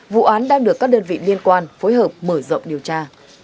vụ án đang được các đơn vị liên quan phối hợp mở rộng điều tra